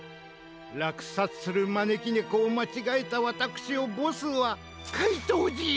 らくさつするまねきねこをまちがえたわたくしをボスはかいとうＧはゆるさないでしょう。